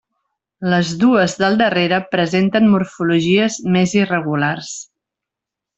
Les dues del darrere presenten morfologies més irregulars.